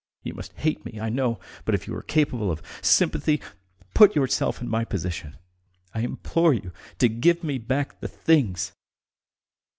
You must hate me, I know, but if you are capable of sympathy, put yourself in my position! I implore you to give me back the things!"